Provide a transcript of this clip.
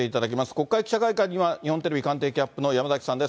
国会記者会館には日本テレビ官邸キャップの山崎さんです。